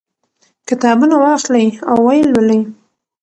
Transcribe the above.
کتابونه واخلئ او ویې لولئ.